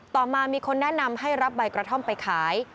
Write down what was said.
ต่อมามีคนแนะนำให้รับใบกระท่อมไปขาย